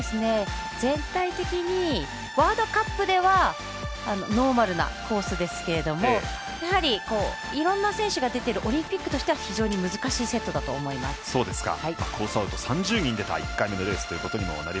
全体的にワールドカップではノーマルなコースですけれどもやはり、いろんな選手が出ているオリンピックとしては非常に難しいセットだと思います。